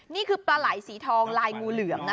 นี่คือปลาไหล่สีทองลายงูเหลือมนะ